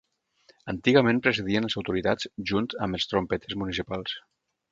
Antigament precedien les autoritats, junt amb els trompeters municipals.